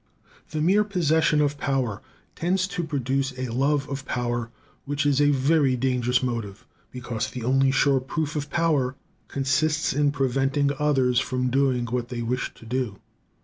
The mere possession of power tends to produce a love of power, which is a very dangerous motive, because the only sure proof of power consists in preventing others from doing what they wish to do.